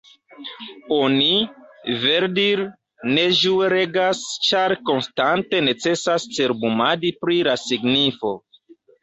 Oni, verdire, ne ĝue legas, ĉar konstante necesas cerbumadi pri la signifo.